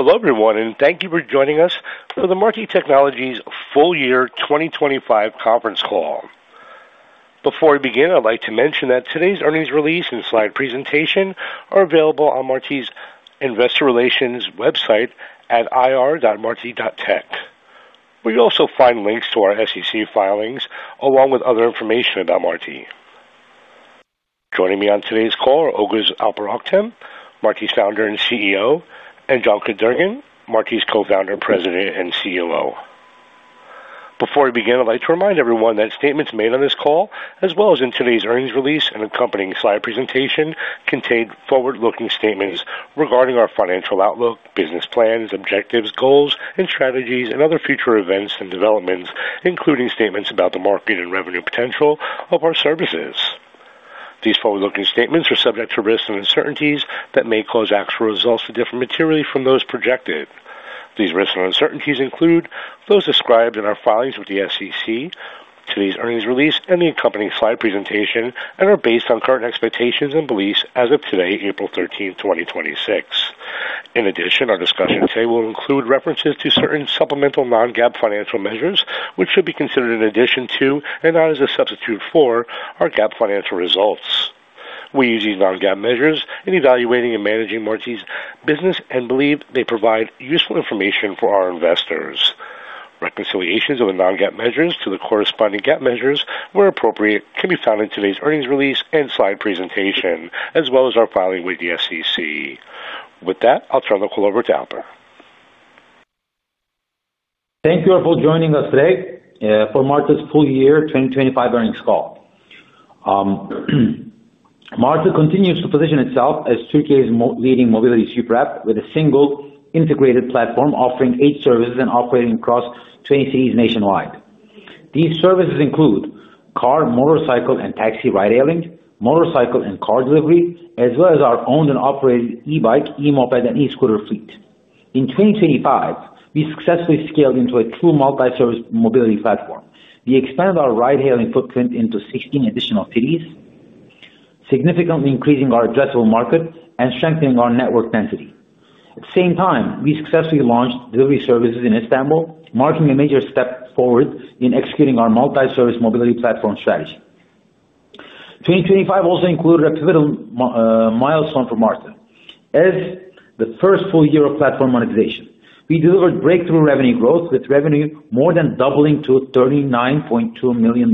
Hello everyone, thank you for joining us for the Marti Technologies full year 2025 conference call. Before we begin, I'd like to mention that today's earnings release and slide presentation are available on Marti's investor relations website at ir.marti.tech, where you'll also find links to our SEC filings, along with other information about Marti. Joining me on today's call are Oguz Alper Oktem, Marti's Founder and CEO, and Cankut Durgun, Marti's Co-Founder, President, and COO. Before we begin, I'd like to remind everyone that statements made on this call, as well as in today's earnings release and accompanying slide presentation, contain forward-looking statements regarding our financial outlook, business plans, objectives, goals and strategies, and other future events and developments, including statements about the market and revenue potential of our services. These forward-looking statements are subject to risks and uncertainties that may cause actual results to differ materially from those projected. These risks and uncertainties include those described in our filings with the SEC, today's earnings release, and the accompanying slide presentation, and are based on current expectations and beliefs as of today, April 13th, 2026. In addition, our discussion today will include references to certain supplemental non-GAAP financial measures, which should be considered in addition to and not as a substitute for our GAAP financial results. We use these non-GAAP measures in evaluating and managing Marti's business and believe they provide useful information for our investors. Reconciliations of the non-GAAP measures to the corresponding GAAP measures, where appropriate, can be found in today's earnings release and slide presentation, as well as our filing with the SEC. With that, I'll turn the call over to Alper. Thank you all for joining us today for Marti's full year 2025 earnings call. Marti continues to position itself as Turkey's leading mobility super app with a single integrated platform offering eight services and operating across 20 cities nationwide. These services include car, motorcycle, and taxi ride-hailing, motorcycle and car delivery, as well as our owned and operated e-bike, e-moped, and e-scooter fleet. In 2025, we successfully scaled into a true multi-service mobility platform. We expanded our ride-hailing footprint into 16 additional cities, significantly increasing our addressable market and strengthening our network density. At the same time, we successfully launched delivery services in Istanbul, marking a major step forward in executing our multi-service mobility platform strategy. 2025 also included a pivotal milestone for Marti. As the first full year of platform monetization, we delivered breakthrough revenue growth, with revenue more than doubling to $39.2 million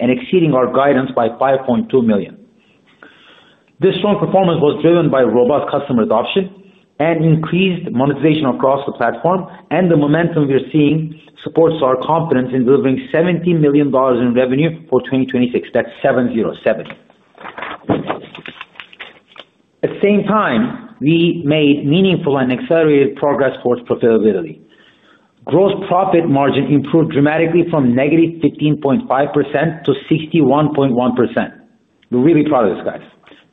and exceeding our guidance by $5.2 million. This strong performance was driven by robust customer adoption and increased monetization across the platform, and the momentum we are seeing supports our confidence in delivering $70 million in revenue for 2026. That's 707. At the same time, we made meaningful and accelerated progress towards profitability. Gross profit margin improved dramatically from -15.5% to 61.1%. We're really proud of this, guys,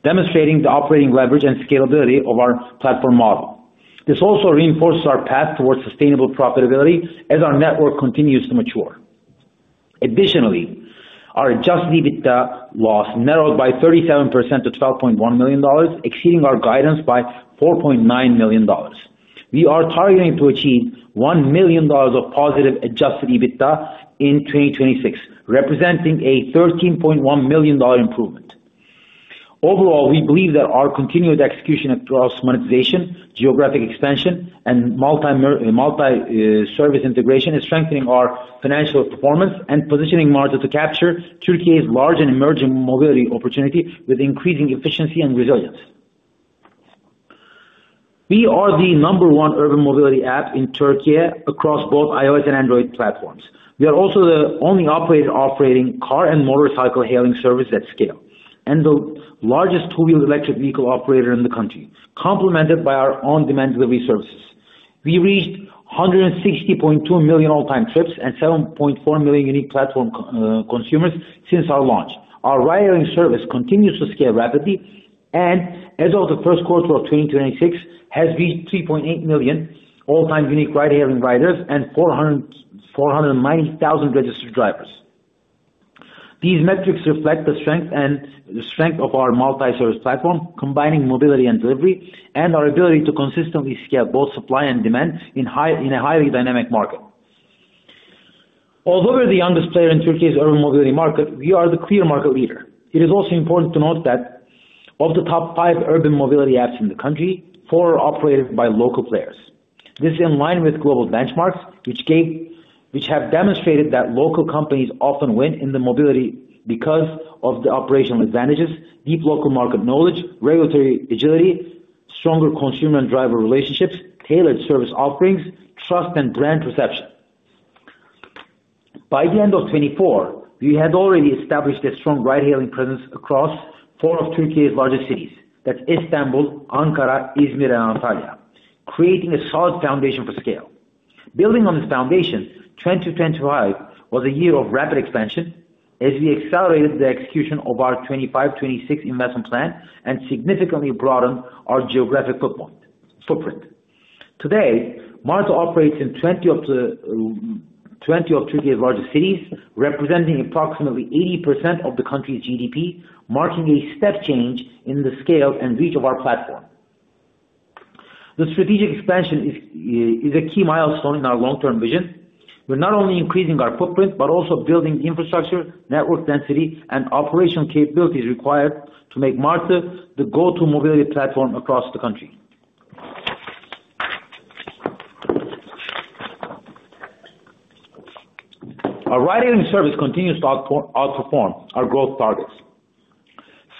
demonstrating the operating leverage and scalability of our platform model. This also reinforces our path towards sustainable profitability as our network continues to mature. Additionally, our adjusted EBITDA loss narrowed by 37% to $12.1 million, exceeding our guidance by $4.9 million. We are targeting to achieve $1 million of positive adjusted EBITDA in 2026, representing a $13.1 million improvement. Overall, we believe that our continued execution across monetization, geographic expansion, and multi-service integration is strengthening our financial performance and positioning Marti to capture Turkey's large and emerging mobility opportunity with increasing efficiency and resilience. We are the number one urban mobility app in Turkey across both iOS and Android platforms. We are also the only operator operating car and motorcycle hailing service at scale, and the largest two-wheel electric vehicle operator in the country, complemented by our on-demand delivery services. We reached 160.2 million all-time trips and 7.4 million unique platform consumers since our launch. Our ride-hailing service continues to scale rapidly, and as of the first quarter of 2026, has reached 3.8 million all-time unique ride-hailing riders and 490,000 registered drivers. These metrics reflect the strength of our multi-service platform, combining mobility and delivery, and our ability to consistently scale both supply and demand in a highly dynamic market. Although we're the youngest player in Turkey's urban mobility market, we are the clear market leader. It is also important to note that of the top five urban mobility apps in the country, four are operated by local players. This is in line with global benchmarks, which have demonstrated that local companies often win in mobility because of the operational advantages, deep local market knowledge, regulatory agility, stronger consumer and driver relationships, tailored service offerings, trust, and brand perception. By the end of 2024, we had already established a strong ride-hailing presence across four of Turkey's largest cities. That's Istanbul, Ankara, Izmir, and Antalya, creating a solid foundation for scale. Building on this foundation, 2025 was a year of rapid expansion as we accelerated the execution of our 2025, 2026 investment plan and significantly broadened our geographic footprint. Today, Marti operates in 20 of Turkey's largest cities, representing approximately 80% of the country's GDP, marking a step change in the scale and reach of our platform. The strategic expansion is a key milestone in our long-term vision. We're not only increasing our footprint, but also building infrastructure, network density, and operational capabilities required to make Marti the go-to mobility platform across the country. Our ride-hailing service continues to outperform our growth targets,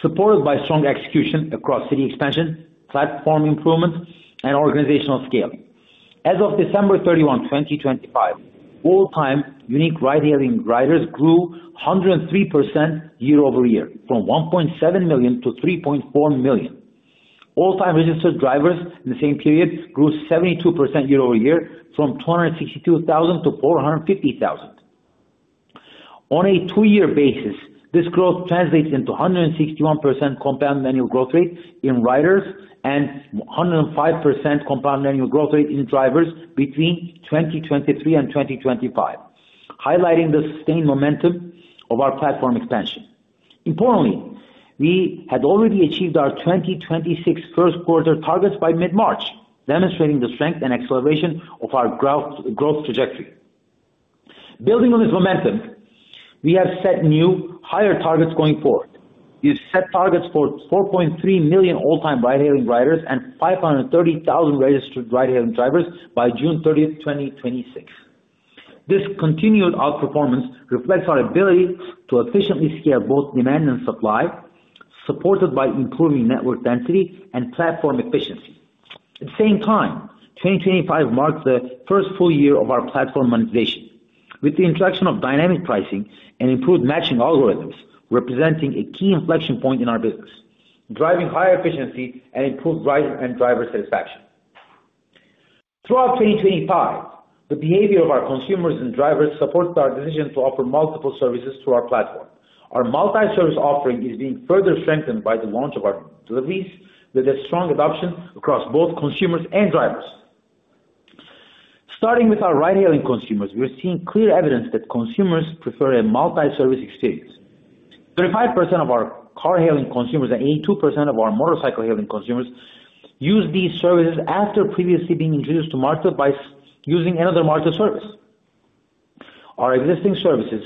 supported by strong execution across city expansion, platform improvements, and organizational scaling. As of December 31, 2025, all-time unique ride-hailing riders grew 103% year-over-year, from 1.7 million-3.4 million. All-time registered drivers in the same period grew 72% year-over-year from 262,000 to 450,000. On a two-year basis, this growth translates into 161% compound annual growth rate in riders and 105% compound annual growth rate in drivers between 2023 and 2025, highlighting the sustained momentum of our platform expansion. Importantly, we had already achieved our 2026 first quarter targets by mid-March, demonstrating the strength and acceleration of our growth trajectory. Building on this momentum, we have set new higher targets going forward. We've set targets for 4.3 million all-time ride-hailing riders and 530,000 registered ride-hailing drivers by June 30th, 2026. This continued outperformance reflects our ability to efficiently scale both demand and supply, supported by improving network density and platform efficiency. At the same time, 2025 marked the first full year of our platform monetization. With the introduction of dynamic pricing and improved matching algorithms, representing a key inflection point in our business, driving higher efficiency and improved rider and driver satisfaction. Throughout 2025, the behavior of our consumers and drivers supported our decision to offer multiple services through our platform. Our multi-service offering is being further strengthened by the launch of our deliveries, with a strong adoption across both consumers and drivers. Starting with our ride-hailing consumers, we're seeing clear evidence that consumers prefer a multi-service experience. 35% of our car-hailing consumers and 82% of our motorcycle-hailing consumers use these services after previously being introduced to Marti by using another Marti service. Our existing services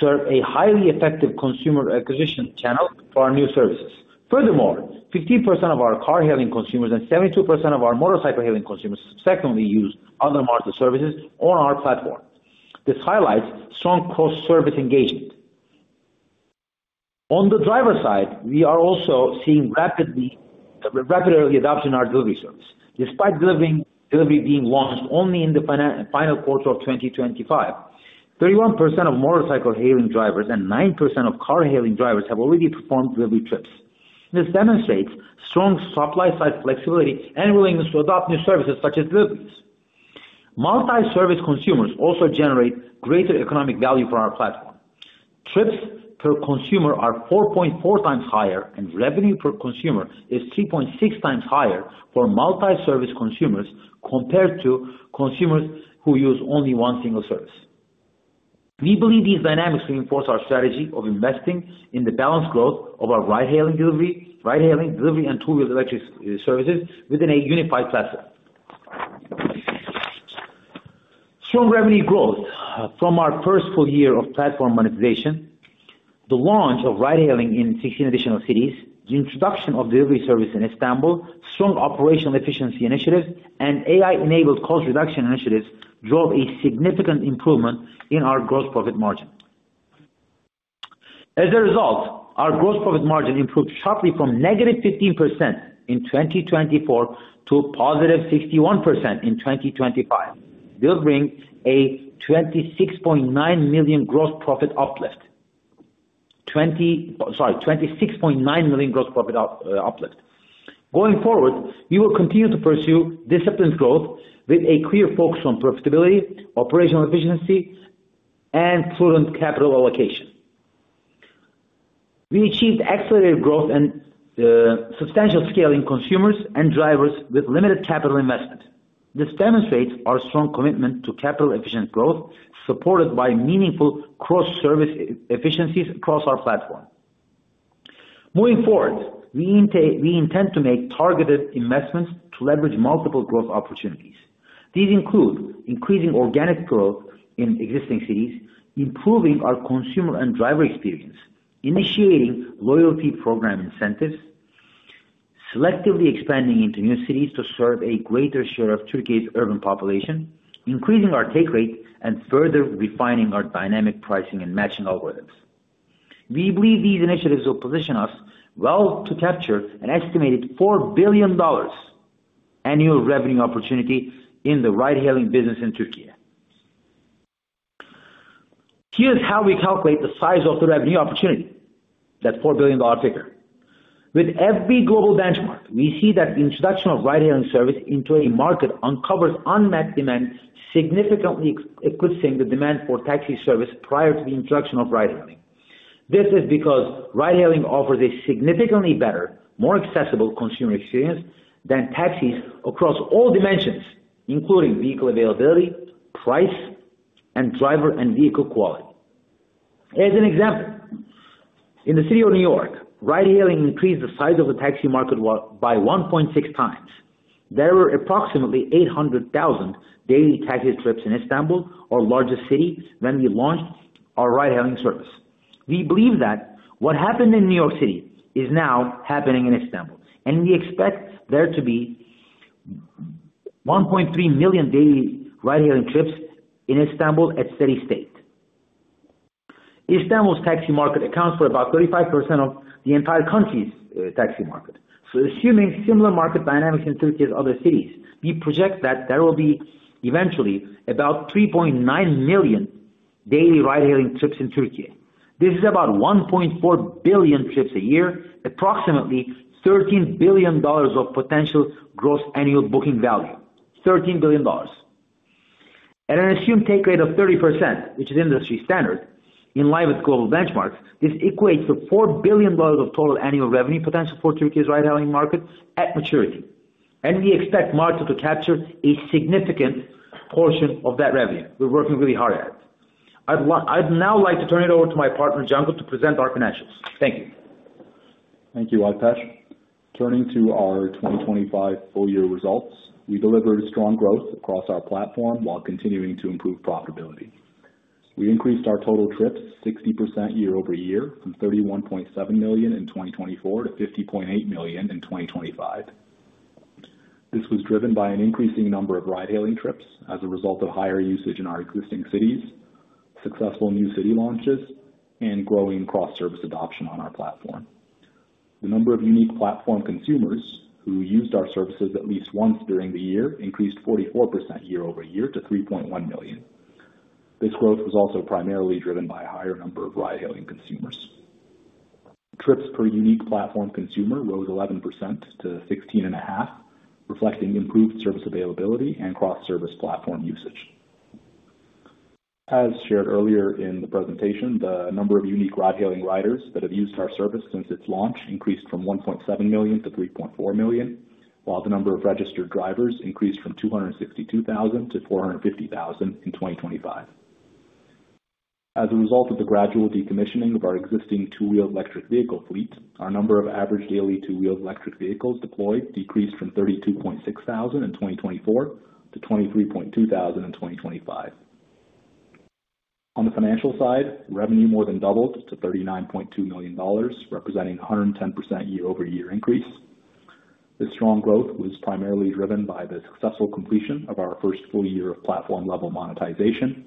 serve a highly effective consumer acquisition channel for our new services. Furthermore, 15% of our car-hailing consumers and 72% of our motorcycle-hailing consumers secondly use other Marti services on our platform. This highlights strong cross-service engagement. On the driver side, we are also seeing the rapid early adoption of our delivery service, despite delivery being launched only in the final quarter of 2025. 31% of motorcycle-hailing drivers and 9% of car-hailing drivers have already performed delivery trips. This demonstrates strong supply-side flexibility and willingness to adopt new services such as deliveries. Multi-service consumers also generate greater economic value for our platform. Trips per consumer are 4.4x higher and revenue per consumer is 3.6x higher for multi-service consumers compared to consumers who use only one single service. We believe these dynamics reinforce our strategy of investing in the balanced growth of our ride-hailing, delivery, and two-wheel electric services within a unified platform. Strong revenue growth from our first full year of platform monetization, the launch of ride-hailing in 16 additional cities, the introduction of delivery service in Istanbul, strong operational efficiency initiatives, and AI-enabled cost reduction initiatives drove a significant improvement in our gross profit margin. As a result, our gross profit margin improved sharply from -15% in 2024 to +61% in 2025, delivering a 26.9 million gross profit uplift. Going forward, we will continue to pursue disciplined growth with a clear focus on profitability, operational efficiency, and prudent capital allocation. We achieved accelerated growth and substantial scale in consumers and drivers with limited capital investment. This demonstrates our strong commitment to capital-efficient growth, supported by meaningful cross-service efficiencies across our platform. Moving forward, we intend to make targeted investments to leverage multiple growth opportunities. These include increasing organic growth in existing cities, improving our consumer and driver experience, initiating loyalty program incentives, selectively expanding into new cities to serve a greater share of Turkey's urban population, increasing our take rate, and further refining our dynamic pricing and matching algorithms. We believe these initiatives will position us well to capture an estimated $4 billion annual revenue opportunity in the ride-hailing business in Turkey. Here's how we calculate the size of the revenue opportunity, that $4 billion figure. With every global benchmark, we see that the introduction of ride-hailing service into a market uncovers unmet demand, significantly eclipsing the demand for taxi service prior to the introduction of ride-hailing. This is because ride-hailing offers a significantly better, more accessible consumer experience than taxis across all dimensions, including vehicle availability, price, and driver and vehicle quality. As an example, in the city of New York, ride-hailing increased the size of the taxi market by 1.6 times. There were approximately 800,000 daily taxi trips in Istanbul, our largest city, when we launched our ride-hailing service. We believe that what happened in New York City is now happening in Istanbul, and we expect there to be 1.3 million daily ride-hailing trips in Istanbul at steady state. Istanbul's taxi market accounts for about 35% of the entire country's taxi market. Assuming similar market dynamics in Turkey as other cities, we project that there will be eventually about 3.9 million daily ride-hailing trips in Turkey. This is about 1.4 billion trips a year, approximately $13 billion of potential gross annual booking value. $13 billion. At an assumed take rate of 30%, which is industry standard in line with global benchmarks, this equates to $4 billion of total annual revenue potential for Turkey's ride-hailing market at maturity. We expect Marti to capture a significant portion of that revenue. We're working really hard at it. I'd now like to turn it over to my partner, Cankut Durgun, to present our financials. Thank you. Thank you, Alper. Turning to our 2025 full year results. We delivered strong growth across our platform while continuing to improve profitability. We increased our total trips 60% year-over-year from 31.7 million in 2024 to 50.8 million in 2025. This was driven by an increasing number of ride-hailing trips as a result of higher usage in our existing cities, successful new city launches, and growing cross-service adoption on our platform. The number of unique platform consumers who used our services at least once during the year increased 44% year-over-year to 3.1 million. This growth was also primarily driven by a higher number of ride-hailing consumers. Trips per unique platform consumer rose 11% to 16.5, reflecting improved service availability and cross-service platform usage. As shared earlier in the presentation, the number of unique ride-hailing riders that have used our service since its launch increased from 1.7 million to 3.4 million, while the number of registered drivers increased from 262,000 to 450,000 in 2025. As a result of the gradual decommissioning of our existing two-wheeled electric vehicle fleet, our number of average daily two-wheeled electric vehicles deployed decreased from 32.6 thousand in 2024 to 23.2 thousand in 2025. On the financial side, revenue more than doubled to $39.2 million, representing 110% year-over-year increase. This strong growth was primarily driven by the successful completion of our first full year of platform-level monetization,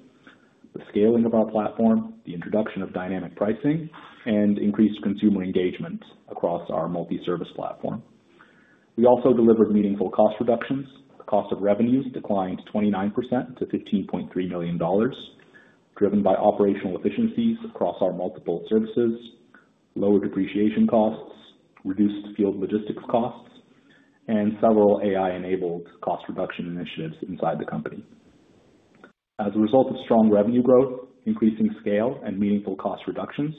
the scaling of our platform, the introduction of dynamic pricing, and increased consumer engagement across our multi-service platform. We also delivered meaningful cost reductions. The cost of revenues declined 29% to $15.3 million, driven by operational efficiencies across our multiple services, lower depreciation costs, reduced field logistics costs, and several AI-enabled cost reduction initiatives inside the company. As a result of strong revenue growth, increasing scale, and meaningful cost reductions,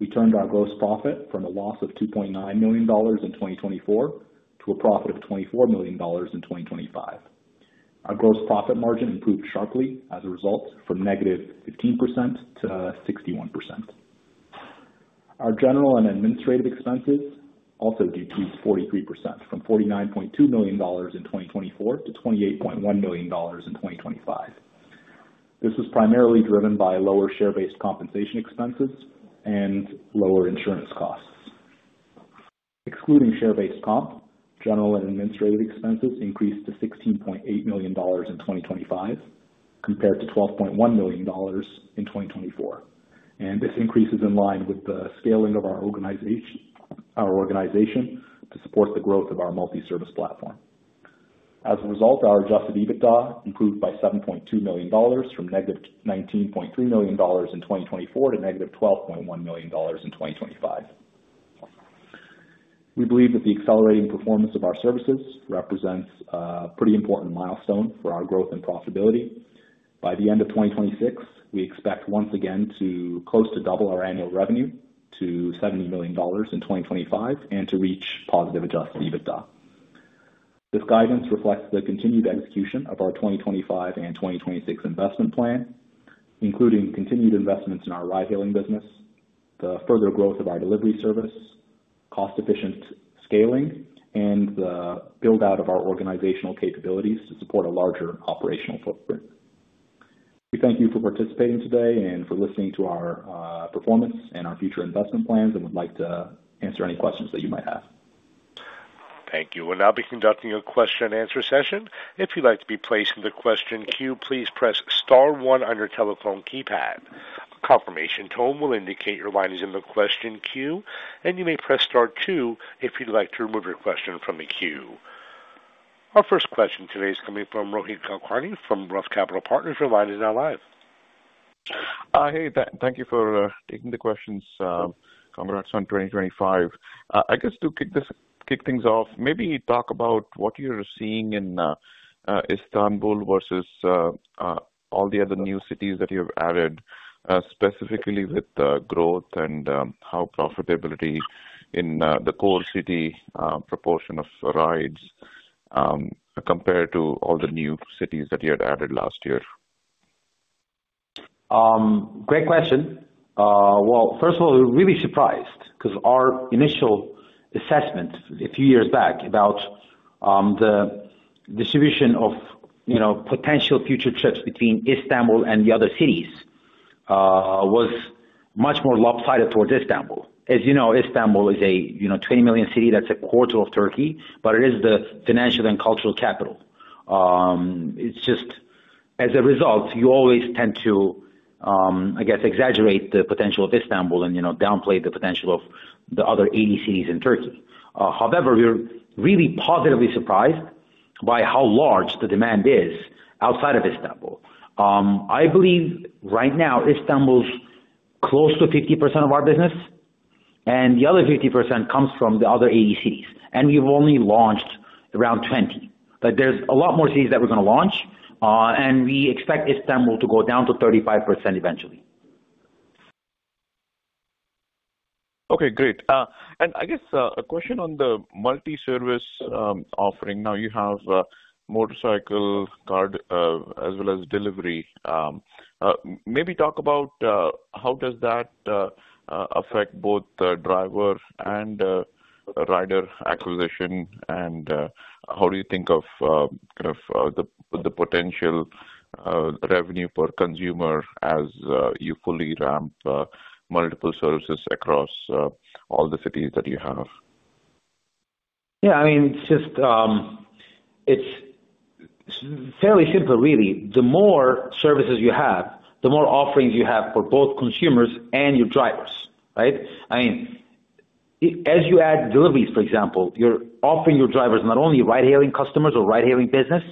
we turned our gross profit from a loss of $2.9 million in 2024 to a profit of $24 million in 2025. Our gross profit margin improved sharply as a result from -15% to 61%. Our general and administrative expenses also decreased 43% from $49.2 million in 2024 to $28.1 million in 2025. This was primarily driven by lower share-based compensation expenses and lower insurance costs. Excluding share-based comp, general and administrative expenses increased to $16.8 million in 2025 compared to $12.1 million in 2024. This increase is in line with the scaling of our organization to support the growth of our multi-service platform. As a result, our adjusted EBITDA improved by $7.2 million from -$19.3 million in 2024 to -$12.1 million in 2025. We believe that the accelerating performance of our services represents a pretty important milestone for our growth and profitability. By the end of 2026, we expect once again to close to double our annual revenue to $70 million in 2025 and to reach positive adjusted EBITDA. This guidance reflects the continued execution of our 2025 and 2026 investment plan, including continued investments in our ride-hailing business, the further growth of our delivery service, cost-efficient scaling, and the build-out of our organizational capabilities to support a larger operational footprint. We thank you for participating today and for listening to our performance and our future investment plans and would like to answer any questions that you might have. Thank you. We'll now be conducting a question and answer session. If you'd like to be placed in the question queue, please press star one on your telephone keypad. A confirmation tone will indicate your line is in the question queue, and you may press star two if you'd like to remove your question from the queue. Our first question today is coming from Rohit Kulkarni from Roth Capital Partners. Your line is now live. Hey. Thank you for taking the questions. Congrats on 2025. I guess to kick things off, maybe talk about what you're seeing in Istanbul versus all the other new cities that you've added, specifically with the growth and how profitability in the core city proportion of rides compared to all the new cities that you had added last year. Great question. Well, first of all, we're really surprised because our initial assessment a few years back about the distribution of potential future trips between Istanbul and the other cities was much more lopsided towards Istanbul. As you know, Istanbul is a 20 million city that's a quarter of Turkey, but it is the financial and cultural capital. As a result, you always tend to, I guess, exaggerate the potential of Istanbul and downplay the potential of the other 80 cities in Turkey. However, we're really positively surprised by how large the demand is outside of Istanbul. I believe right now Istanbul is close to 50% of our business, and the other 50% comes from the other 80 cities. We've only launched around 20. There's a lot more cities that we're going to launch, and we expect Istanbul to go down to 35% eventually. Okay, great. I guess, a question on the multi-service offering. Now you have a motorcycle, car, as well as delivery. Maybe talk about how does that affect both the driver and rider acquisition, and how do you think of the potential revenue per consumer as you fully ramp multiple services across all the cities that you have? Yeah. It's fairly simple, really. The more services you have, the more offerings you have for both consumers and your drivers, right? As you add deliveries, for example, you're offering your drivers not only ride-hailing customers or ride-hailing business,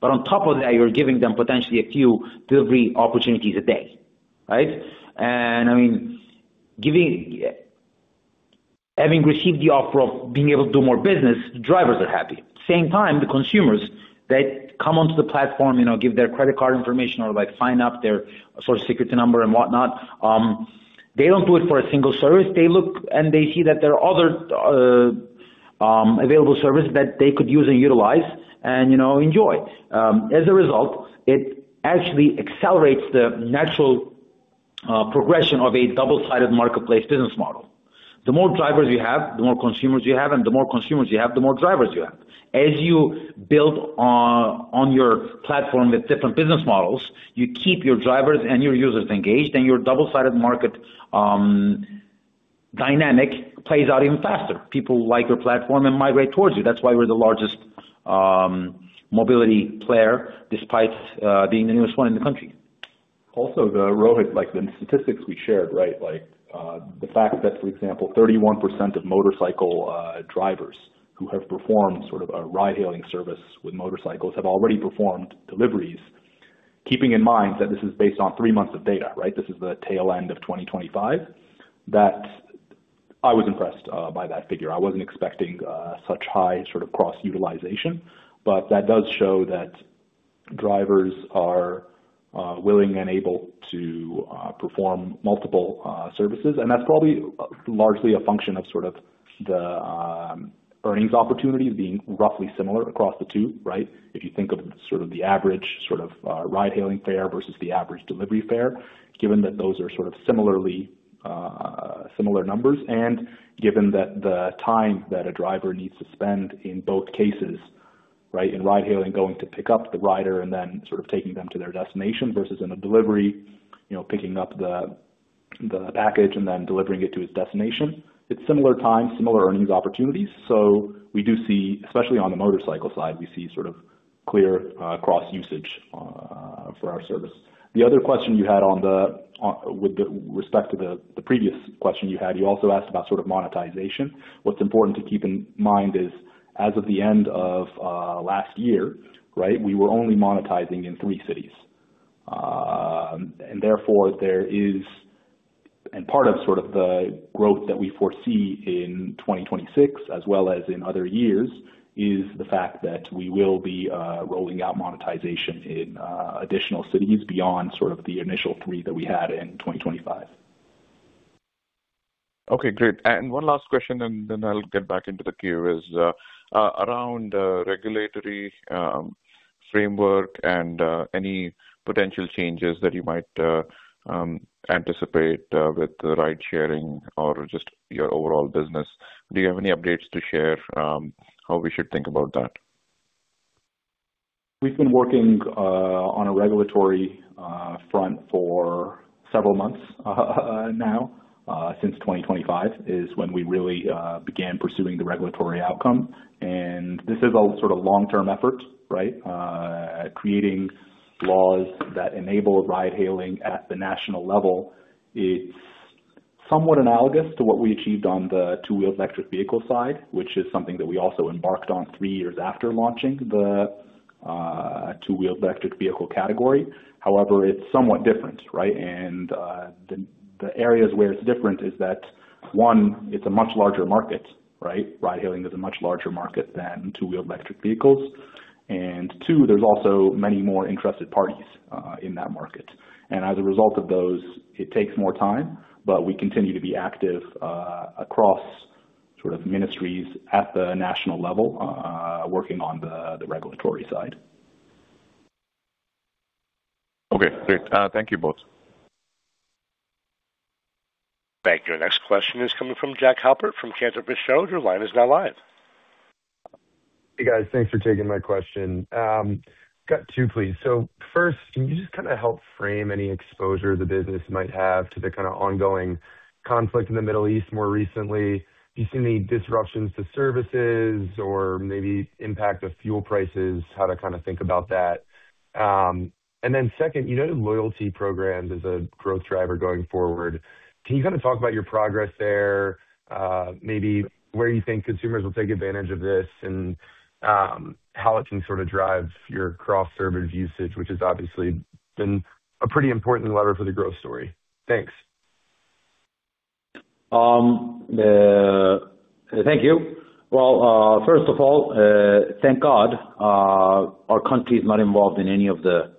but on top of that, you're giving them potentially a few delivery opportunities a day, right? Having received the offer of being able to do more business, drivers are happy. At the same time, the consumers that come onto the platform, give their credit card information or sign up their Social Security number and whatnot, they don't do it for a single service. They look and they see that there are other available services that they could use and utilize and enjoy. As a result, it actually accelerates the natural progression of a double-sided marketplace business model. The more drivers you have, the more consumers you have, and the more consumers you have, the more drivers you have. As you build on your platform with different business models, you keep your drivers and your users engaged, and your double-sided market dynamic plays out even faster. People like your platform and migrate towards you. That's why we're the largest mobility player despite being the newest one in the country. Also, Rohit, the statistics we shared, right? The fact that, for example, 31% of motorcycle drivers who have performed a ride-hailing service with motorcycles have already performed deliveries. Keeping in mind that this is based on three months of data, right? This is the tail end of 2025, that I was impressed by that figure. I wasn't expecting such high cross-utilization. That does show that drivers are willing and able to perform multiple services, and that's probably largely a function of the earnings opportunities being roughly similar across the two, right? If you think of the average ride-hailing fare versus the average delivery fare, given that those are similar numbers, and given that the time that a driver needs to spend in both cases, right? In ride-hailing, going to pick up the rider and then taking them to their destination versus in a delivery, picking up the package and then delivering it to its destination, it's similar time, similar earnings opportunities. We do see, especially on the motorcycle side, we see clear cross-usage for our service. The other question you had with respect to the previous question you had, you also asked about monetization. What's important to keep in mind is as of the end of last year, right? We were only monetizing in three cities. Part of the growth that we foresee in 2026, as well as in other years, is the fact that we will be rolling out monetization in additional cities beyond the initial three that we had in 2025. Okay, great. One last question, and then I'll get back into the queue, is around regulatory framework and any potential changes that you might anticipate with ride-sharing or just your overall business. Do you have any updates to share how we should think about that? We've been working on a regulatory front for several months now. Since 2025 is when we really began pursuing the regulatory outcome. This is all sort of long-term effort, right, creating laws that enable ride-hailing at the national level. It's somewhat analogous to what we achieved on the two-wheeled electric vehicle side, which is something that we also embarked on three years after launching the two-wheeled electric vehicle category. However, it's somewhat different, right? The areas where it's different is that one, it's a much larger market. Ride-hailing is a much larger market than two-wheeled electric vehicles. Two, there's also many more interested parties in that market. As a result of those, it takes more time, but we continue to be active across ministries at the national level, working on the regulatory side. Okay, great. Thank you both. Thank you. Our next question is coming from Brett Knoblauch from Cantor Fitzgerald. Your line is now live. Hey, guys. Thanks for taking my question. Got two, please. First, can you just help frame any exposure the business might have to the ongoing conflict in the Middle East more recently? Do you see any disruptions to services or maybe impact of fuel prices, how to think about that? Second, you noted loyalty programs as a growth driver going forward. Can you talk about your progress there, maybe where you think consumers will take advantage of this and how it can drive your cross-service usage, which has obviously been a pretty important lever for the growth story? Thanks. Thank you. Well, first of all, thank God, our country is not involved in any of the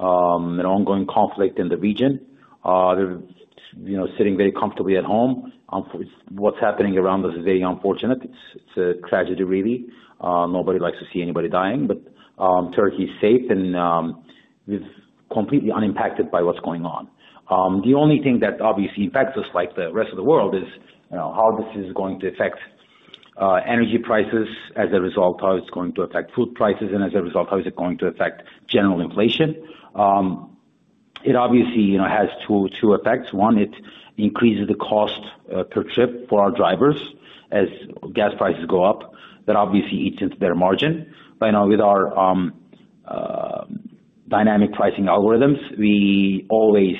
ongoing conflict in the region. They're sitting very comfortably at home. What's happening around us is very unfortunate. It's a tragedy, really. Nobody likes to see anybody dying, but Turkey is safe and is completely unimpacted by what's going on. The only thing that obviously impacts us, like the rest of the world, is how this is going to affect energy prices as a result, how it's going to affect food prices, and as a result, how is it going to affect general inflation. It obviously has two effects. One, it increases the cost per trip for our drivers as gas prices go up. That obviously eats into their margin. With our dynamic pricing algorithms, we always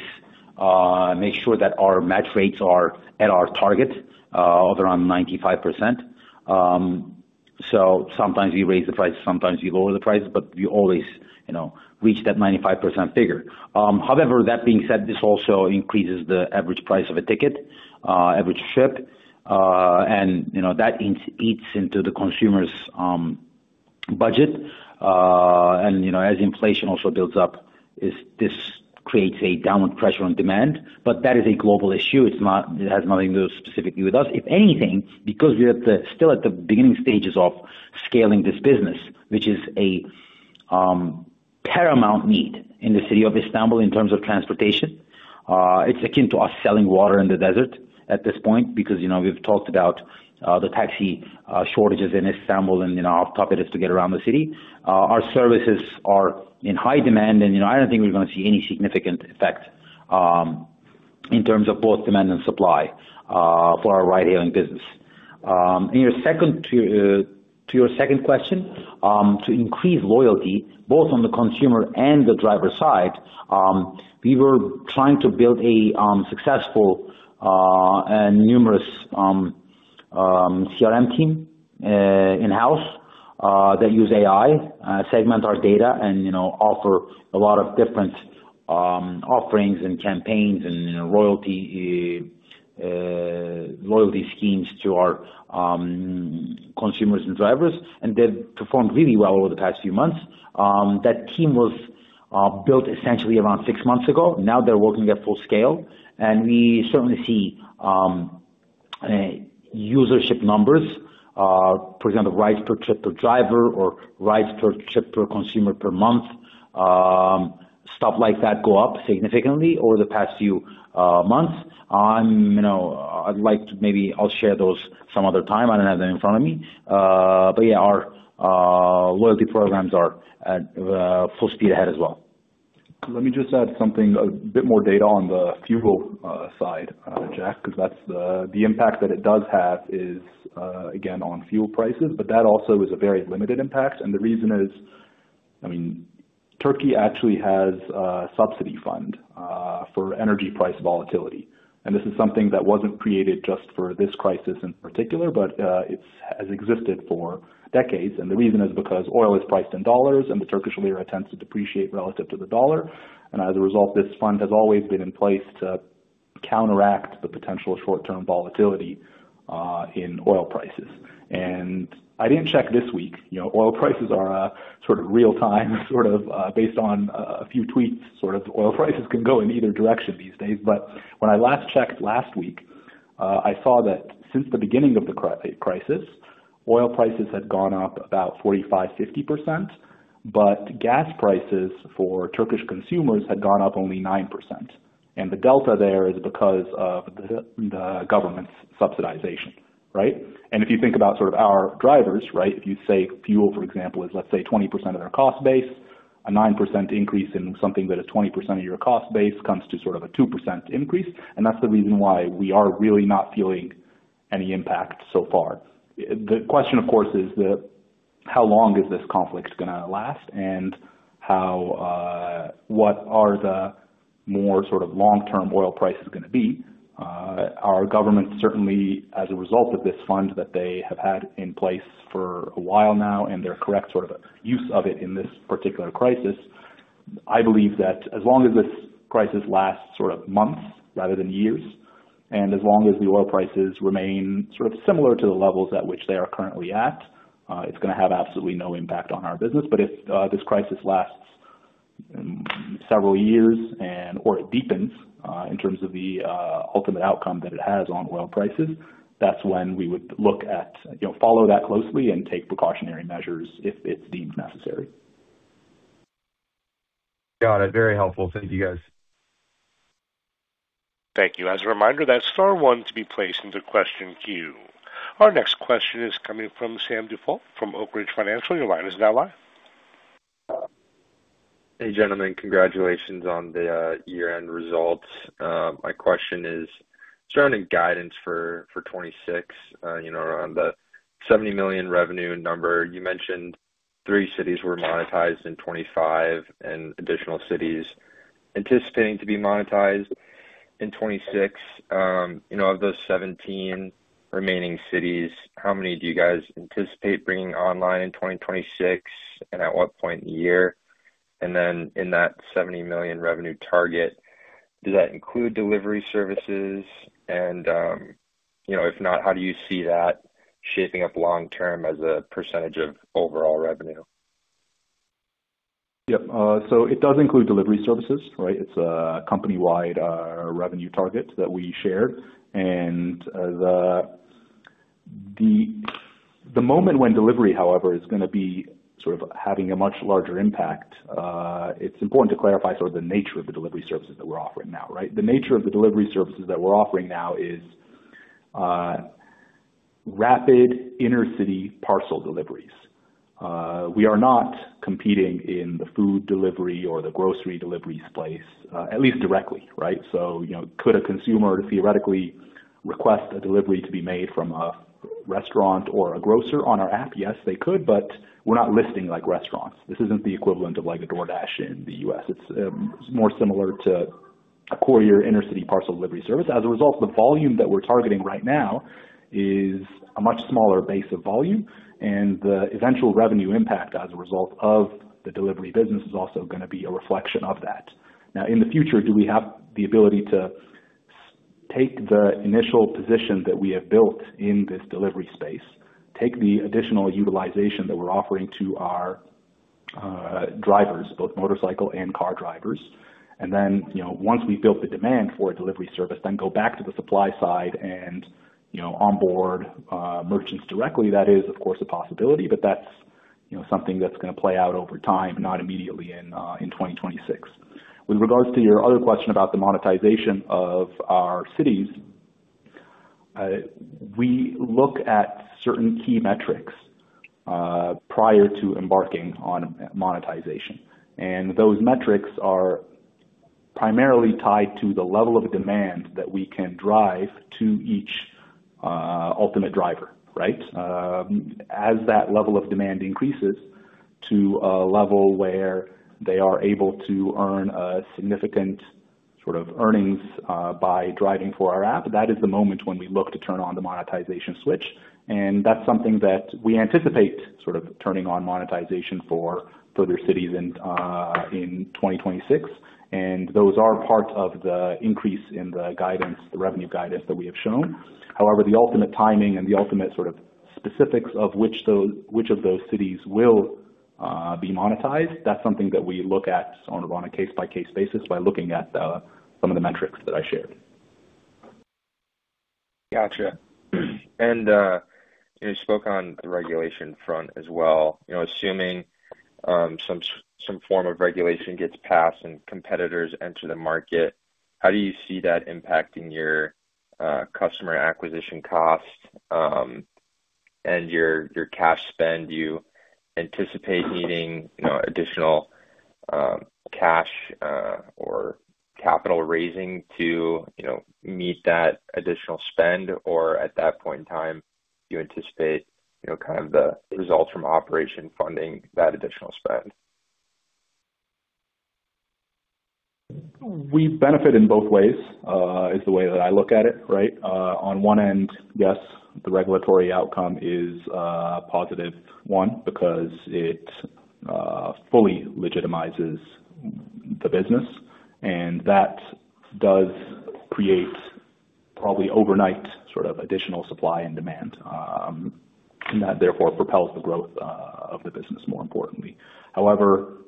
make sure that our match rates are at our target of around 95%. Sometimes we raise the prices, sometimes we lower the prices, but we always reach that 95% figure. However, that being said, this also increases the average price of a ticket, average trip, and that eats into the consumer's budget. As inflation also builds up, this creates a downward pressure on demand, but that is a global issue. It has nothing to do specifically with us. If anything, because we're still at the beginning stages of scaling this business, which is a paramount need in the city of Istanbul in terms of transportation, it's akin to us selling water in the desert at this point because we've talked about the taxi shortages in Istanbul and how tough it is to get around the city. Our services are in high demand, and I don't think we're going to see any significant effect in terms of both demand and supply for our ride-hailing business. To your second question, to increase loyalty, both on the consumer and the driver side, we were trying to build a successful and numerous CRM team in-house that use AI, segment our data, and offer a lot of different offerings and campaigns and loyalty schemes to our consumers and drivers, and they've performed really well over the past few months. That team was built essentially around six months ago. Now they're working at full scale, and we certainly see usership numbers. For example, rides per trip per driver or rides per trip per consumer per month, stuff like that go up significantly over the past few months. Maybe I'll share those some other time. I don't have them in front of me. Yeah, our loyalty programs are at full speed ahead as well. Let me just add something, a bit more data on the fuel side, Brett, because the impact that it does have is, again, on fuel prices, but that also is a very limited impact. The reason is Turkey actually has a subsidy fund for energy price volatility. This is something that wasn't created just for this crisis in particular, but it has existed for decades. The reason is because oil is priced in dollars, and the Turkish lira tends to depreciate relative to the dollar. As a result, this fund has always been in place to counteract the potential short-term volatility in oil prices. I didn't check this week. Oil prices are sort of real-time based on a few tweets. Oil prices can go in either direction these days. When I last checked last week, I saw that since the beginning of the crisis, oil prices had gone up about 45%-50%, but gas prices for Turkish consumers had gone up only 9%. The delta there is because of the government's subsidization. If you think about our drivers, if you say fuel, for example, is let's say 20% of their cost base, a 9% increase in something that is 20% of your cost base comes to sort of a 2% increase, and that's the reason why we are really not feeling any impact so far. The question, of course, is how long is this conflict going to last and what are the more long-term oil prices going to be? Our government, certainly, as a result of this fund that they have had in place for a while now and their correct use of it in this particular crisis, I believe that as long as this crisis lasts months rather than years, and as long as the oil prices remain similar to the levels at which they are currently at, it's going to have absolutely no impact on our business. If this crisis lasts several years or it deepens in terms of the ultimate outcome that it has on oil prices, that's when we would follow that closely and take precautionary measures if it's deemed necessary. Got it. Very helpful. Thank you guys. Thank you. As a reminder, that's star one to be placed into question queue. Our next question is coming from Sam Dufault from Oak Ridge Financial. Your line is now live. Hey, gentlemen. Congratulations on the year-end results. My question is surrounding guidance for 2026, around the $70 million revenue number. You mentioned three cities were monetized in 2025 and additional cities anticipating to be monetized in 2026. Of those 17 remaining cities, how many do you guys anticipate bringing online in 2026, and at what point in the year? In that $70 million revenue target, does that include delivery services? If not, how do you see that shaping up long term as a percentage of overall revenue? Yep. It does include delivery services, right? It's a company-wide revenue target that we shared. Delivery, however, is going to be having a much larger impact. It's important to clarify the nature of the delivery services that we're offering now, right? The nature of the delivery services that we're offering now is rapid inner-city parcel deliveries. We are not competing in the food delivery or the grocery deliveries space, at least directly, right? Could a consumer theoretically request a delivery to be made from a restaurant or a grocer on our app? Yes, they could, but we're not listing restaurants. This isn't the equivalent of a DoorDash in the U.S. It's more similar to a courier inner-city parcel delivery service. As a result, the volume that we're targeting right now is a much smaller base of volume, and the eventual revenue impact as a result of the delivery business is also going to be a reflection of that. Now, in the future, do we have the ability to take the initial position that we have built in this delivery space, take the additional utilization that we're offering to our drivers, both motorcycle and car drivers, and then, once we've built the demand for a delivery service, then go back to the supply side and onboard merchants directly? That is, of course, a possibility, but that's something that's going to play out over time, not immediately in 2026. With regards to your other question about the monetization of our cities, we look at certain key metrics prior to embarking on monetization. Those metrics are primarily tied to the level of demand that we can drive to each ultimate driver, right? As that level of demand increases to a level where they are able to earn a significant earnings by driving for our app, that is the moment when we look to turn on the monetization switch. That's something that we anticipate turning on monetization for further cities in 2026. Those are part of the increase in the revenue guidance that we have shown. However, the ultimate timing and the ultimate specifics of which of those cities will be monetized, that's something that we look at on a case-by-case basis by looking at some of the metrics that I shared. Got you. And you spoke on the regulation front as well. Assuming some form of regulation gets passed and competitors enter the market, how do you see that impacting your customer acquisition costs, and your cash spend? Do you anticipate needing additional cash or capital raising to meet that additional spend? Or at that point in time, do you anticipate the results from operation funding that additional spend? We benefit in both ways, is the way that I look at it, right? On one end, yes, the regulatory outcome is a positive one because it fully legitimizes the business, and that does create probably overnight additional supply and demand, and that therefore propels the growth of the business, more importantly. However,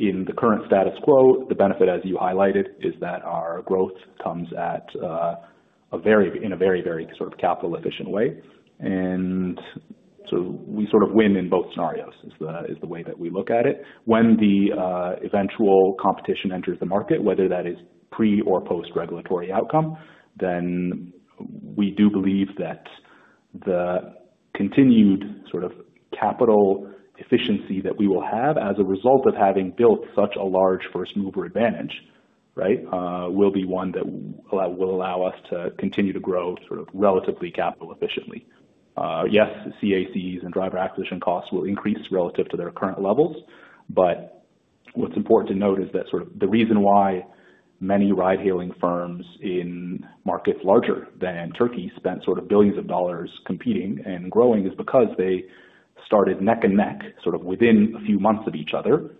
in the current status quo, the benefit, as you highlighted, is that our growth comes in a very sort of capital-efficient way. We win in both scenarios, is the way that we look at it. When the eventual competition enters the market, whether that is pre or post-regulatory outcome, then we do believe that the continued capital efficiency that we will have as a result of having built such a large first-mover advantage will be one that will allow us to continue to grow relatively capital efficiently. Yes, CACs and driver acquisition costs will increase relative to their current levels. What's important to note is that the reason why many ride-hailing firms in markets larger than Turkey spent billions of dollars competing and growing is because they started neck and neck, sort of within a few months of each other,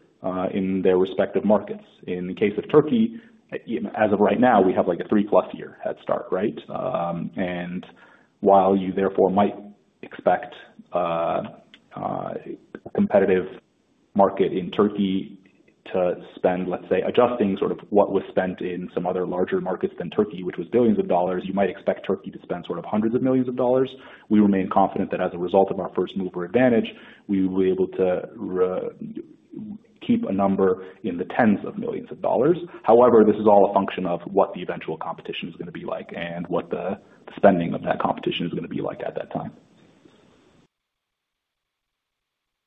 in their respective markets. In the case of Turkey, as of right now, we have a three-plus year head start, right? While you therefore might expect a competitive market in Turkey to spend, let's say, adjusting sort of what was spent in some other larger markets than Turkey, which was billions of dollars, you might expect Turkey to spend hundreds of millions of dollars. We remain confident that as a result of our first-mover advantage, we will be able to keep a number in the tens of millions of dollars. However, this is all a function of what the eventual competition is going to be like and what the spending of that competition is going to be like at that time.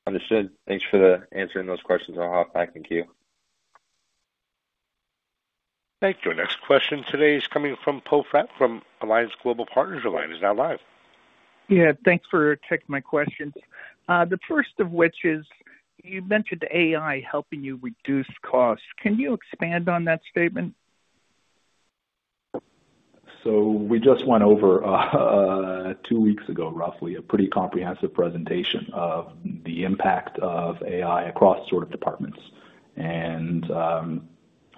Understood. Thanks for answering those questions. I'll hop back in queue. Thank you. Our next question today is coming from Poe Fratt from Alliance Global Partners. Your line is now live. Yeah. Thanks for taking my questions, the first of which is you mentioned AI helping you reduce costs. Can you expand on that statement? We just went over two weeks ago, roughly, a pretty comprehensive presentation of the impact of AI across sort of departments,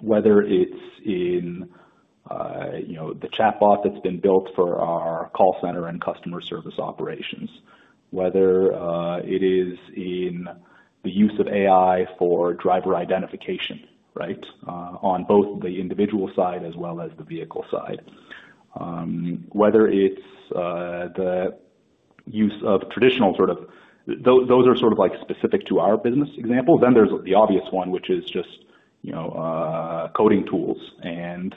whether it's in the chatbot that's been built for our call center and customer service operations, whether it is in the use of AI for driver identification on both the individual side as well as the vehicle side. Those are specific to our business example. There's the obvious one, which is just coding tools and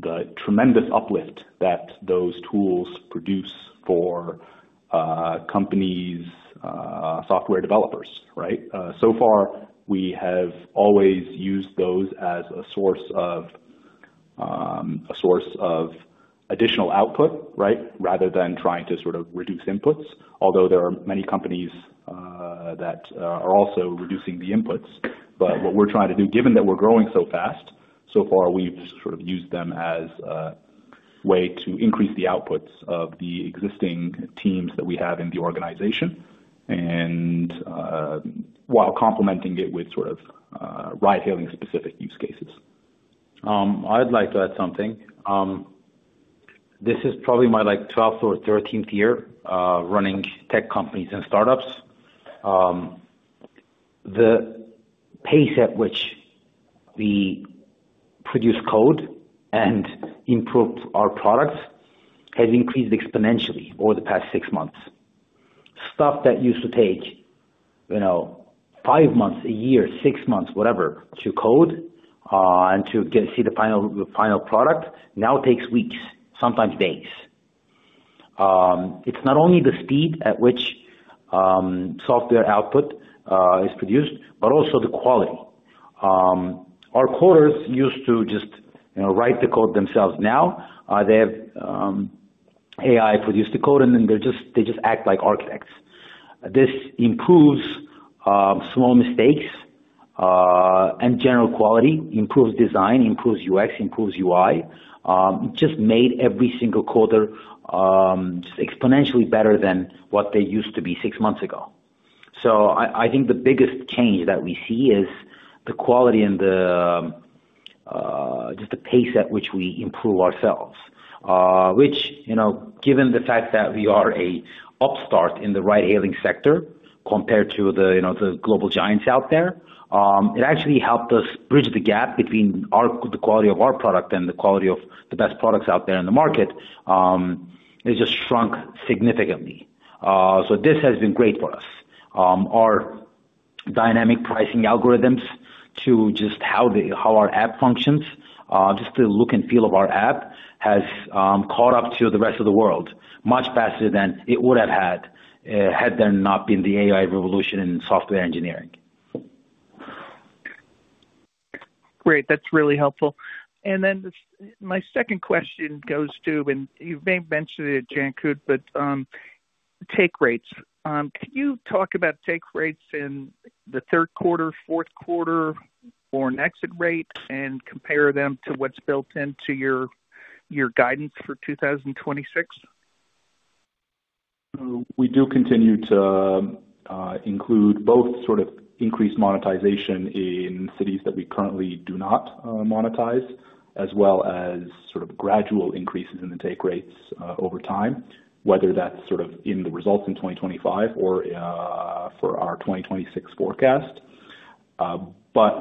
the tremendous uplift that those tools produce for companies' software developers, right? So far, we have always used those as a source of additional output, rather than trying to sort of reduce inputs, although there are many companies that are also reducing the inputs. What we're trying to do, given that we're growing so fast, so far, we've sort of used them as a way to increase the outputs of the existing teams that we have in the organization and while complementing it with sort of ride-hailing specific use cases. I'd like to add something. This is probably my 12th or 13th year running tech companies and startups. The pace at which we produce code and improve our products has increased exponentially over the past six months. Stuff that used to take five months, a year, six months, whatever, to code and to see the final product now takes weeks, sometimes days. It's not only the speed at which software output is produced, but also the quality. Our coders used to just write the code themselves. Now, they have AI produce the code, and then they just act like architects. This improves small mistakes and general quality, improves design, improves UX, improves UI, just made every single coder exponentially better than what they used to be six months ago. I think the biggest change that we see is the quality and just the pace at which we improve ourselves. Which, given the fact that we are a upstart in the ride-hailing sector compared to the global giants out there, it actually helped us bridge the gap between the quality of our product and the quality of the best products out there in the market. It just shrunk significantly. This has been great for us. Our dynamic pricing algorithms to just how our app functions, just the look and feel of our app has caught up to the rest of the world much faster than it would have had there not been the AI revolution in software engineering. Great. That's really helpful. My second question goes to, and you may have mentioned it, Cankut Durgun, but take rates. Can you talk about take rates in the third quarter, fourth quarter, or an exit rate and compare them to what's built into your guidance for 2026? We do continue to include both sort of increased monetization in cities that we currently do not monetize, as well as sort of gradual increases in the take rates over time, whether that's sort of in the results in 2025 or for our 2026 forecast.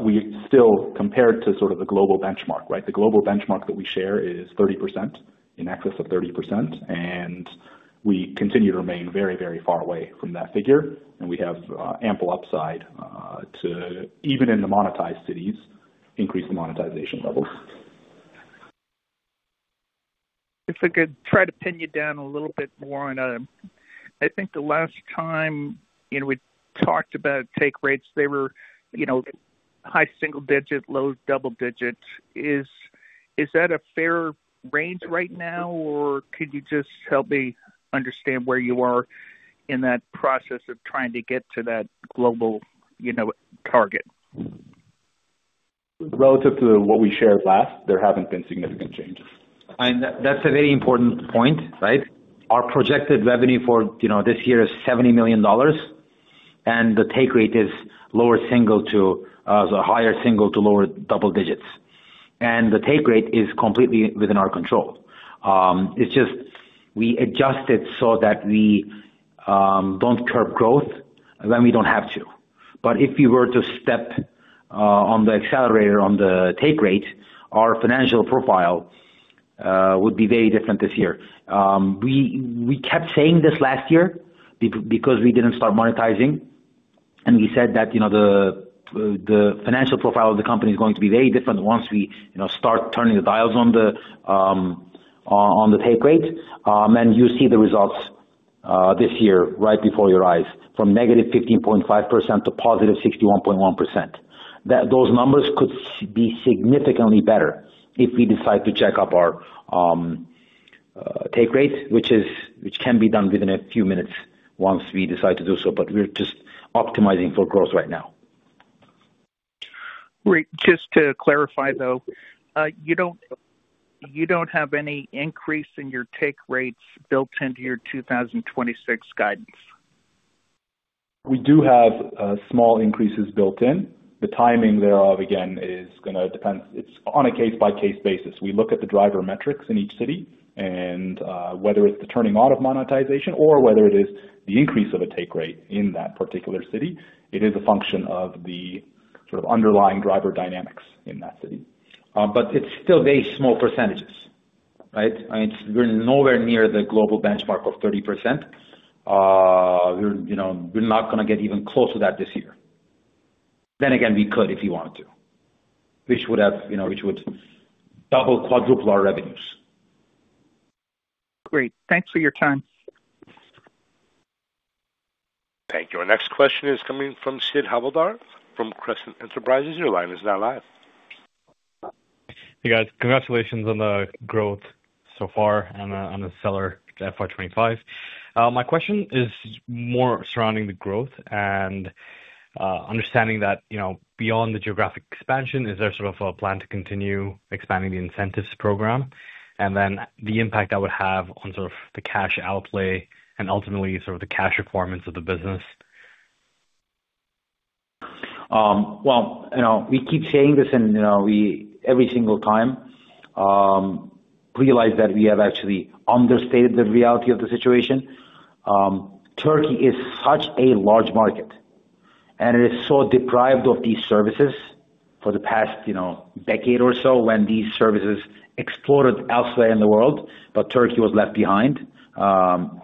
We still compare it to sort of the global benchmark, right? The global benchmark that we share is 30%, in excess of 30%, and we continue to remain very far away from that figure, and we have ample upside to, even in the monetized cities, increase the monetization levels. If I could try to pin you down a little bit more on, I think the last time we talked about take rates, they were high-single-digit, low-double-digit. Is that a fair range right now, or could you just help me understand where you are in that process of trying to get to that global target? Relative to what we shared last, there haven't been significant changes. That's a very important point, right? Our projected revenue for this year is $70 million, and the take rate is higher single to lower double digits. The take rate is completely within our control. It's just we adjust it so that we don't curb growth when we don't have to. If we were to step on the accelerator on the take rate, our financial profile would be very different this year. We kept saying this last year because we didn't start monetizing, and we said that the financial profile of the company is going to be very different once we start turning the dials on the take rate. You see the results this year right before your eyes, from -15.5% to +61.1%. Those numbers could be significantly better if we decide to jack up our take rate, which can be done within a few minutes once we decide to do so. We're just optimizing for growth right now. Great. Just to clarify, though, you don't have any increase in your take rates built into your 2026 guidance? We do have small increases built in. The timing thereof, again, it's on a case-by-case basis. We look at the driver metrics in each city. Whether it's the turning on of monetization or whether it is the increase of a take rate in that particular city, it is a function of the sort of underlying driver dynamics in that city. It's still very small percentages, right? We're nowhere near the global benchmark of 30%. We're not going to get even close to that this year. Again, we could if we wanted to, which would double, quadruple our revenues. Great. Thanks for your time. Thank you. Our next question is coming from Siddharth Havaldar from Crescent Enterprises. Your line is now live. Hey, guys. Congratulations on the growth so far and on the stellar FY 2025. My question is more surrounding the growth and understanding that beyond the geographic expansion, is there sort of a plan to continue expanding the incentives program, the impact that would have on sort of the cash outlay and ultimately sort of the cash performance of the business? Well, we keep saying this, and every single time realize that we have actually understated the reality of the situation. Turkey is such a large market, and it is so deprived of these services for the past decade or so when these services exploded elsewhere in the world, but Turkey was left behind. The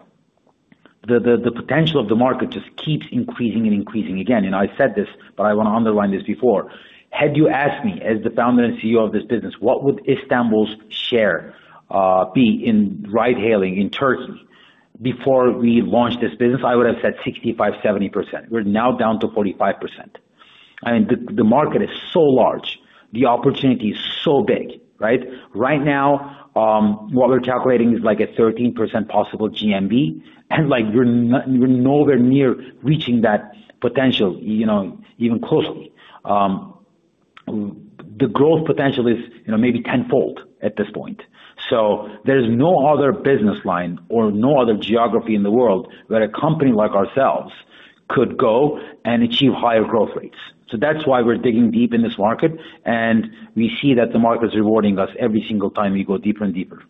potential of the market just keeps increasing and increasing. Again, I said this, but I want to underline this before, had you asked me, as the Founder and CEO of this business, what would Istanbul's share be in ride-hailing in Turkey before we launched this business, I would have said 65%-70%. We're now down to 45%. I mean, the market is so large. The opportunity is so big, right? Right now, what we're calculating is like a 13% possible GMV, and we're nowhere near reaching that potential even closely. The growth potential is maybe 10-fold at this point. There is no other business line or no other geography in the world where a company like ourselves could go and achieve higher growth rates. That's why we're digging deep in this market, and we see that the market is rewarding us every single time we go deeper and deeper.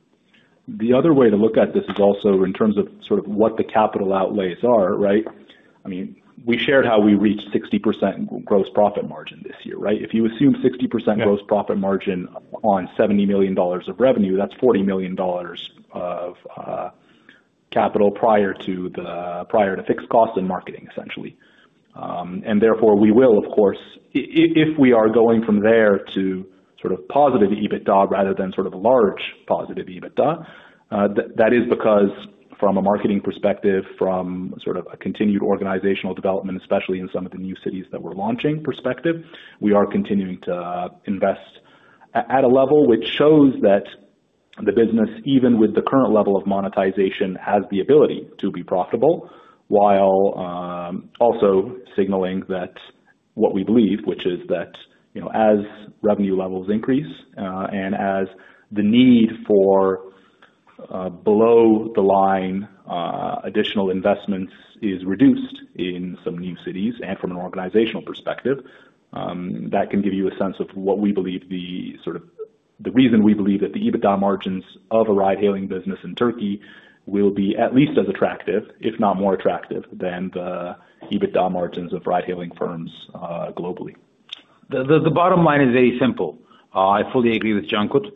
The other way to look at this is also in terms of sort of what the capital outlays are, right? I mean, we shared how we reached 60% gross profit margin this year, right? If you assume 60% gross profit margin on $70 million of revenue, that's $40 million of capital prior to fixed costs and marketing, essentially. Therefore, we will, of course, if we are going from there to sort of positive EBITDA rather than sort of large positive EBITDA, that is because from a marketing perspective, from sort of a continued organizational development, especially in some of the new cities that we're launching, perspective, we are continuing to invest at a level which shows that the business, even with the current level of monetization, has the ability to be profitable, while also signaling what we believe, which is that as revenue levels increase and as the need for below-the-line additional investments is reduced in some new cities. From an organizational perspective, that can give you a sense of the reason we believe that the EBITDA margins of a ride-hailing business in Turkey will be at least as attractive, if not more attractive, than the EBITDA margins of ride-hailing firms globally. The bottom line is very simple. I fully agree with Cankut.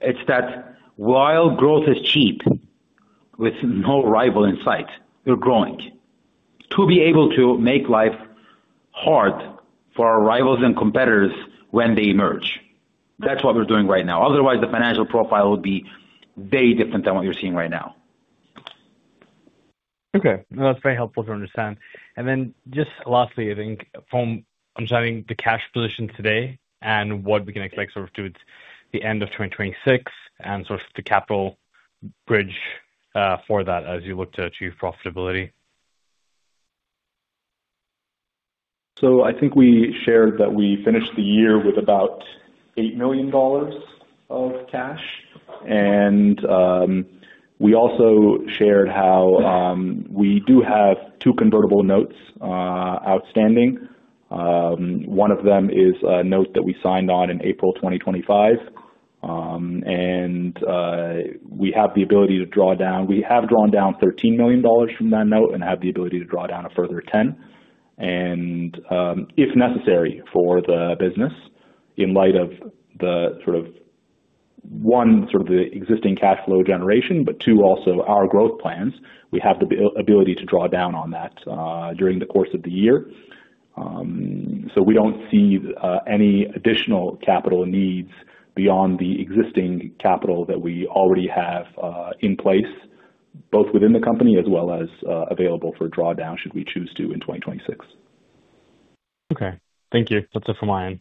It's that while growth is cheap, with no rival in sight, we're growing to be able to make life hard for our rivals and competitors when they emerge. That's what we're doing right now. Otherwise, the financial profile would be very different than what you're seeing right now. Okay. No, that's very helpful to understand. Just lastly, I think from understanding the cash position today and what we can expect sort of towards the end of 2026 and sort of the capital bridge for that as you look to achieve profitability. I think we shared that we finished the year with about $8 million of cash, and we also shared how we do have two convertible notes outstanding. One of them is a note that we signed on in April 2025, and we have the ability to draw down. We have drawn down $13 million from that note and have the ability to draw down a further $10. If necessary for the business, in light of the sort of, one, the existing cash flow generation, but two, also our growth plans, we have the ability to draw down on that during the course of the year. We don't see any additional capital needs beyond the existing capital that we already have in place, both within the company as well as available for drawdown, should we choose to in 2026. Okay. Thank you. That's it from my end.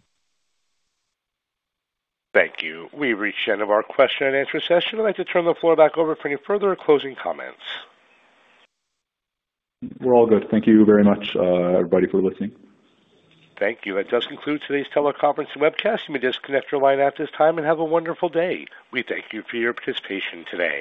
Thank you. We've reached the end of our question and answer session. I'd like to turn the floor back over for any further closing comments. We're all good. Thank you very much, everybody, for listening. Thank you. That does conclude today's teleconference and webcast. You may disconnect your line at this time, and have a wonderful day. We thank you for your participation today.